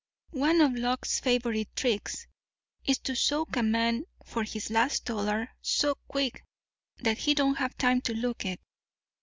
"One of luck's favourite tricks is to soak a man for his last dollar so quick that he don't have time to look it.